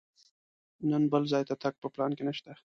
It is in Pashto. نن بل ځای ته تګ په پلان کې نه شته.